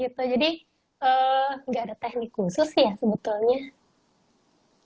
gak ada teknik khusus ya sebetulnya